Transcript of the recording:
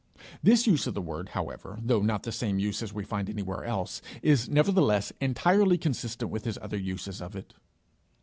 This use of the word, however, though not the same use as we find anywhere else, is nevertheless entirely consistent with his other uses of it.